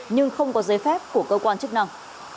nhưng không có giấy phép của cơ quan chức năng